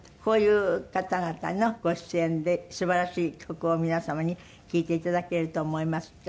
こういう方々のご出演ですばらしい曲を皆様に聴いて頂けると思います。